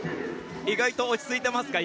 意外と落ち着いていますか？